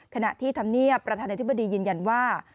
ขณะที่ธรรมเนียบประธานาธิบดียืนยันว่า